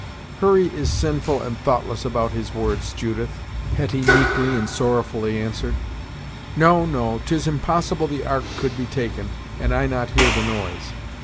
"Hurry is sinful and thoughtless about his words, Judith," Hetty meekly and sorrowfully answered. "No no; 'tis impossible the ark could be taken and I not hear the noise.